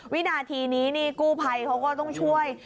วินาทีนี้นี่กู้ภัยเขาก็ต้องช่วย